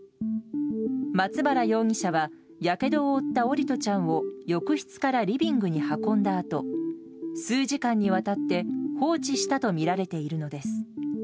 松原容疑者はやけどを負った桜利斗ちゃんを浴室からリビングに運んだあと数時間にわたって放置したとみられているのです。